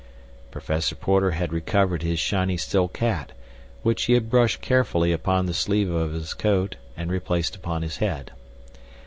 Professor Porter had recovered his shiny silk hat, which he had brushed carefully upon the sleeve of his coat and replaced upon his head.